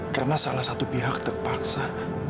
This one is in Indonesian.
karena salah satu pihak terpaksa